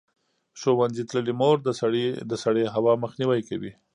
ښوونځې تللې مور د سړې هوا مخنیوی کوي.